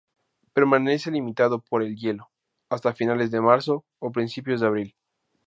Permanece, limitado por el hielo, hasta finales de marzo o principios de abril.